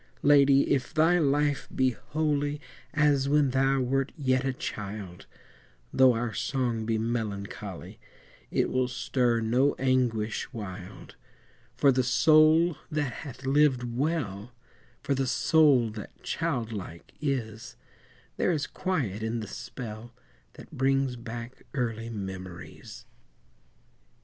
Lady! if thy life be holy As when thou wert yet a child, Though our song be melancholy, It will stir no anguish wild; For the soul that hath lived well, For the soul that child like is, There is quiet in the spell That brings back early memories.